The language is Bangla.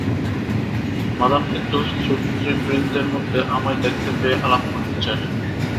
মাদাম কিন্তু শ্রোতৃবৃন্দের মধ্যে আমায় দেখতে পেয়ে আলাপ করতে চাইলেন।